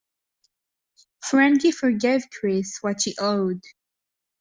Frankie forgave Chris what she owed.